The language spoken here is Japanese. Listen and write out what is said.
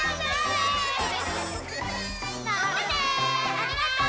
ありがとう！